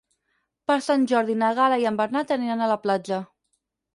Per Sant Jordi na Gal·la i en Bernat aniran a la platja.